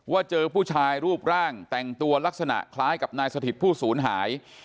เจอผู้ชายรูปร่างแต่งตัวลักษณะคล้ายกับนายสถิตผู้ศูนย์หาย